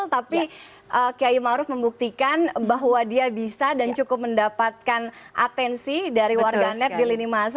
tapi kiai maruf membuktikan bahwa dia bisa dan cukup mendapatkan atensi dari warganet di lini masa